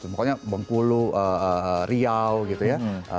pokoknya bengkulu riau gitu ya